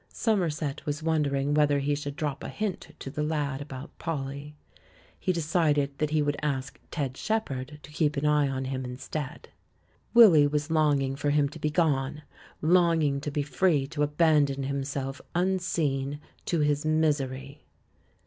Somerset was wondering whether he should drop a hint to the lad about Polly ; he decided that he would ask Ted Shepherd to keep an eye on him, instead. Willy was longing for him to be gone — longing to be free to abandon himself, unseen, to his misery.